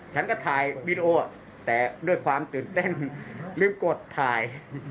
ฉันก็ถ่ายวีดีโอแต่ด้วยความตื่นเต้นลืมกดถ่าย